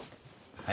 はい。